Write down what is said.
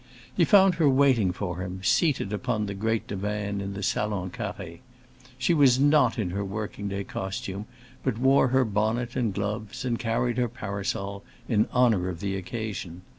He found her waiting for him, seated upon the great divan in the Salon Carré. She was not in her working day costume, but wore her bonnet and gloves and carried her parasol, in honor of the occasion.